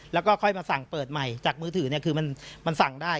แล้วก็ค่อยมาสั่งเปิดใหม่จากมือถือเนี่ยคือมันสั่งได้